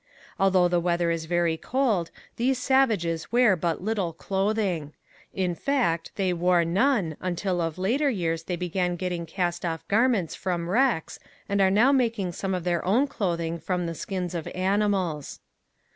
Although the weather is very cold these savages wear but little clothing in fact, they wore none until of later years they began getting cast off garments from wrecks and are now making some of their own clothing from the skins of animals.